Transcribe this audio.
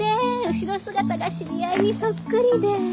後ろ姿が知り合いにそっくりで。